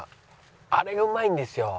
あれがうまいんですよ！